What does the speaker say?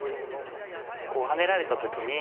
こうハネられた時に。